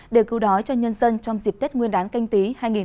để cứu đói cho nhân dân trong dịp tết nguyên đán canh tí hai nghìn hai mươi